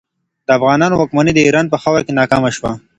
د افغانانو واکمني د ایران په خاوره کې ناکامه شوه.